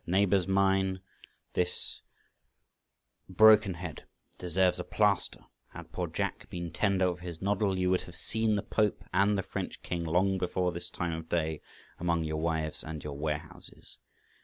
Neighbours mine, this broken head deserves a plaister; had poor Jack been tender of his noddle, you would have seen the Pope and the French King long before this time of day among your wives and your warehouses.